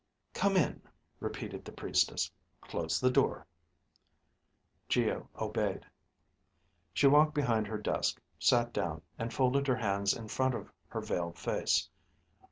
"Come in," repeated the priestess. "Close the door." Geo obeyed. She walked behind her desk, sat down, and folded her hands in front of her veiled face.